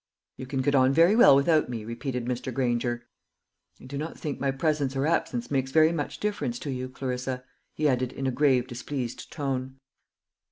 "You can get on very well without me," repeated Mr. Granger. "I do not think my presence or absence makes very much difference to you, Clarissa," he added, in a grave displeased tone.